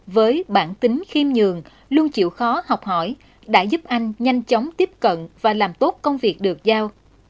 với bản tính khiêm nhường luôn chịu khó học hỏi đã giúp anh nhanh chóng tiếp cận và làm tốt công việc được giao